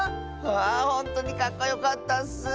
あほんとにかっこよかったッス！